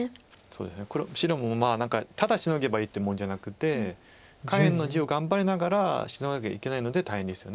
そうですね白も何かただシノげばいいってもんじゃなくて下辺の地を頑張りながらシノがなきゃいけないので大変です。